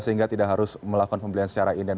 sehingga tidak harus melakukan pembelian secara independen